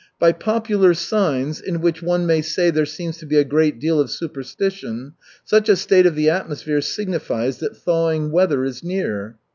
"By popular signs, in which one may say there seems to be a great deal of superstition, such a state of the atmosphere signifies that thawing weather is near."